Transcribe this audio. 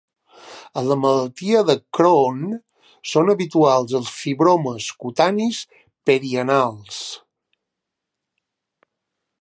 En la malaltia de Crohn són habituals els fibromes cutanis perianals.